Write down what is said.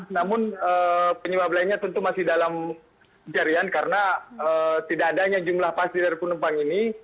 namun penyebab lainnya tentu masih dalam pencarian karena tidak adanya jumlah pasti dari penumpang ini